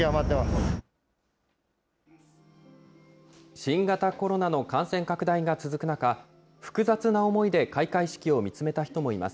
新型コロナの感染拡大が続く中、複雑な思いで開会式を見つめた人もいます。